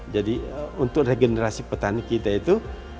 jadi untuk regenerasi petani kita itu